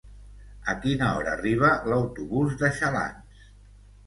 A quina hora arriba l'autobús de Xalans?